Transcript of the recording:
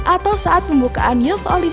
atau saat pembukaan youth oly